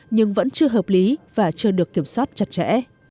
nhưng vẫn chưa hợp lý và chưa được kiểm soát chặt chẽ